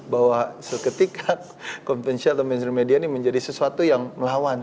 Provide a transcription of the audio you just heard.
bahwa seketika konvensional atau mainstream media ini menjadi sesuatu yang melawan